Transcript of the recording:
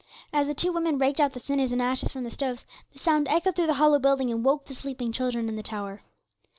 As the two women raked out the cinders and ashes from the stoves, the sound echoed through the hollow building, and woke the sleeping children in the tower.